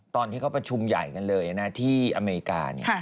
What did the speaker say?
ตอนที่เขาประชุมใหญ่กันเลยนะที่อเมริกา